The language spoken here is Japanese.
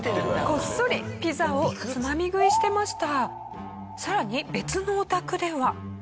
こっそりピザをつまみ食いしてました。